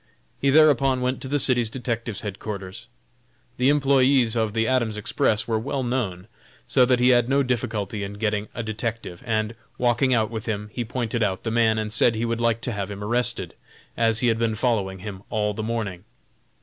He thereupon went to the city detective's headquarters. The employés of the Adams Express were well known, so that he had no difficulty in getting a detective, and, walking out with him, he pointed out the man, and said he would like to have him arrested, as he had been following him all the morning.